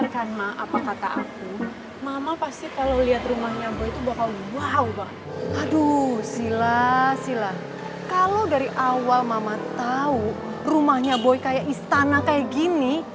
kalau dari awal mama tahu rumahnya boy kayak istana kayak gini